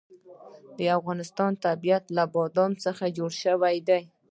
د افغانستان طبیعت له بادام څخه جوړ شوی دی.